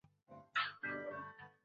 খুব ভাল ছিল আসলে!